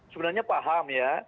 sebenarnya paham ya